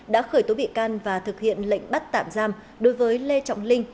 đã khởi tố bị can và thực hiện lệnh bắt tạm giam đối với lê trọng linh